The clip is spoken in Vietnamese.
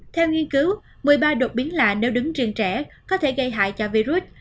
theo nghiên cứu một mươi ba đột biến là nếu đứng riêng trẻ có thể gây hại cho virus